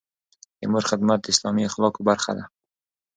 د مور خدمت د اسلامي اخلاقو برخه ده.